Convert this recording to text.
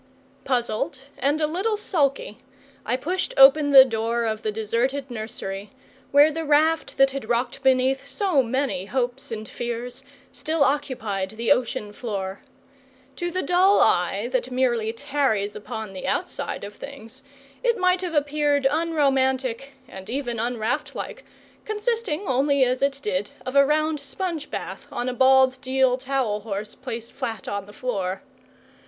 Puzzled and a little sulky, I pushed open the door of the deserted nursery, where the raft that had rocked beneath so many hopes and fears still occupied the ocean floor. To the dull eye, that merely tarries upon the outsides of things, it might have appeared unromantic and even unraftlike, consisting only as it did of a round sponge bath on a bald deal towel horse placed flat on the floor.